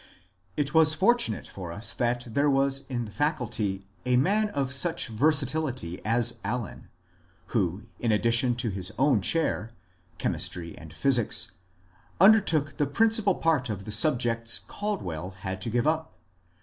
It was fortunate for us that there was in the Faculty a man of such versatility as Allen, who in addition to his own chair (chemistry and physics) undertook the principal part of the subjects Caldwell had to give up.